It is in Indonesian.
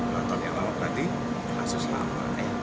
kalau tahun yang lama berarti masih selama